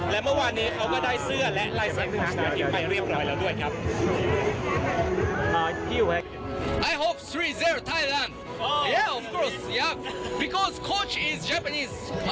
และเมื่อวานนี้เขาก็ได้เสื้อและลายเซ็นชนะทิพย์ไปเรียบร้อยแล้วด้วยครับ